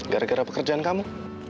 gara gara pekerjaan kamu